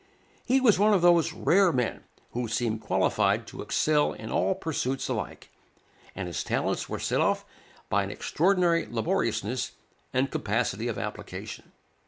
He was one of those rare men who seem qualified to excel in all pursuits alike; and his talents were set off by an extraordinary laboriousness and capacity of application.